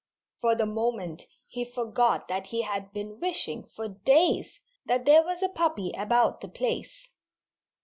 For the moment he forgot that he had been wishing, for days, that there was a puppy about the place.